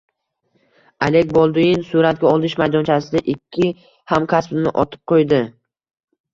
Alek Bolduin suratga olish maydonchasida ikki hamkasbini otib qo‘ydi